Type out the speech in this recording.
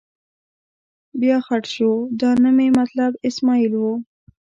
بیا خټ شو، دا نه مې مطلب اسمعیل و.